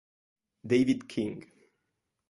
David King.